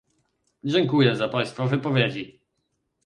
Dziękuję za państwa wypowiedzi